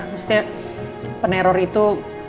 maksudnya peneror itu